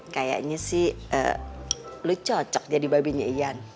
kayaknya sih lu cocok jadi babinya ian